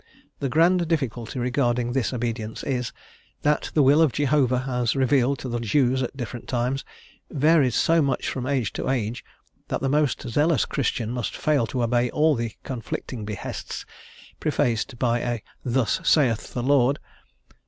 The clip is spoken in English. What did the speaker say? The grand difficulty regarding this obedience is, that the will of Jehovah, as revealed to the Jews at different times, varies so much from age to age that the most zealous Christian must fail to obey all the conflicting behests prefaced by a "Thus saith the Lord."